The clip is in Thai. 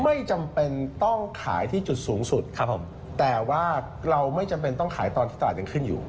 ไม่จำเป็นต้องขายที่จุดสูงสุดครับผมแต่ว่าเราไม่จำเป็นต้องขายตอนที่ตลาดยังขึ้นอยู่